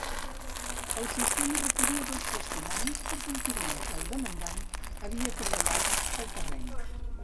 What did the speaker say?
El sistema requeria dos testimonis per confirmar que el demandant havia treballat el terreny.